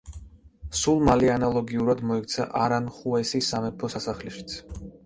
სულ მალე ანალოგიურად მოიქცა არანხუესის სამეფო სასახლეშიც.